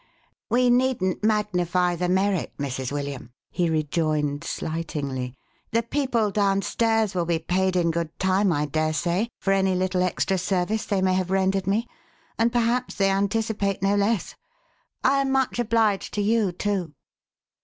"We needn't magnify the merit, Mrs. William," he rejoined 474 THE HAUNTED MAN. slightingly. " The people down stairs will be paid in good time I dare say, for any little extra service they may have rendered me ; and perhaps they anticipate no less. I am much obliged to you, too."